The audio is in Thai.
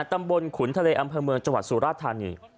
ตำบลขุนทะเลอำเภอเมืองจังหวัดสุราธานี